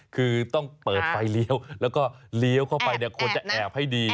คือต้องเปิดไฟเลี้ยวแล้วก็เลี้ยวเข้าไปเนี่ยควรจะแอบให้ดี